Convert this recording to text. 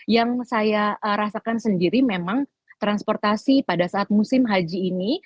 yang saya rasakan sendiri memang transportasi pada saat musim haji ini